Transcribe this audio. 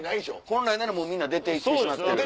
本来ならもうみんな出て行ってしまってる。